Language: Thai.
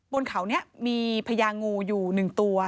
บนเขาเนี่ยมีพญางูอยู่หนึ่งตัว